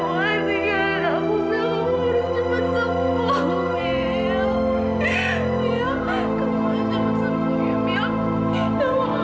mio kenapa kamu masih begitu